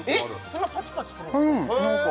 そんなパチパチするんですか？